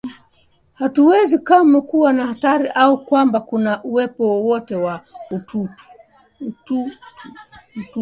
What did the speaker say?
Hatuwezi kamwe kuwa na hatari au kwamba kuna uwepo wowote wa dutu